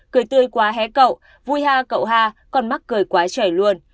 cười tươi quá hé cậu vui ha cậu ha con mắc cười quá trời luôn